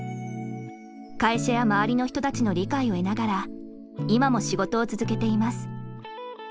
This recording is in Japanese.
会社や周りの人たちの理解を得ながら今も仕事を続けています。